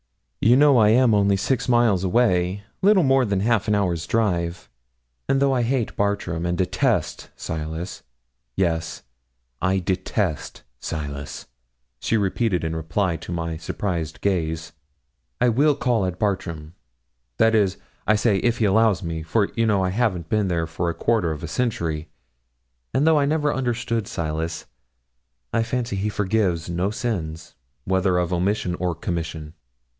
You know I am only six miles away little more than half an hour's drive, and though I hate Bartram, and detest Silas Yes, I detest Silas,' she repeated in reply to my surprised gaze 'I will call at Bartram that is, I say, if he allows me; for, you know, I haven't been there for a quarter of a century; and though I never understood Silas, I fancy he forgives no sins, whether of omission or commission.'